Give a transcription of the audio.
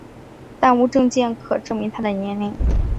但无证件可证明她的年龄。